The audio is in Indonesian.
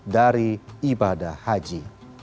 dari ibadah haji